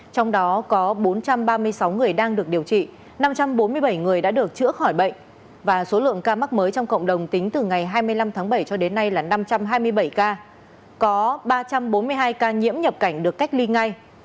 trong đó có bốn trăm ba mươi sáu người đang được điều trị năm trăm bốn mươi bảy người đã được chữa khỏi bệnh và số lượng ca mắc mới trong cộng đồng tính từ ngày hai mươi năm tháng bảy cho đến nay là năm trăm hai mươi bảy ca có ba trăm bốn mươi hai ca nhiễm nhập cảnh được cách ly ngay